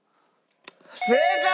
正解！